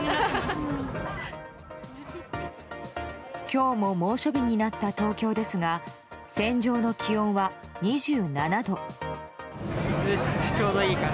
今日も猛暑日になった東京ですが船上の気温は２７度。